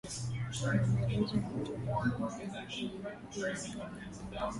Kuna maelezo yaliyotolewa baada ya kuiaga dunia